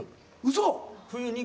うそ！